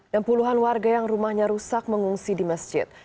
dan puluhan warga yang rumahnya rusak mengungsi di masjid